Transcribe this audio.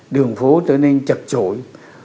đường phố trở nên chật chội